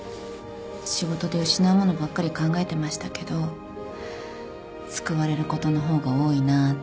仕事で失うものばっかり考えてましたけど救われることの方が多いなって。